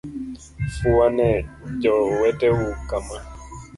Fuwa ne joweteu kama.